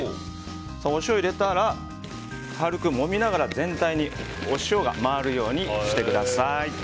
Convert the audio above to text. お塩を入れたら、軽くもみながら全体にお塩が回るようにしてください。